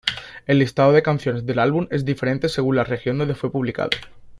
El listado de canciones del álbum es diferente según la región donde fue publicado.